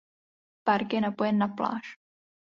Park je napojen na pláž.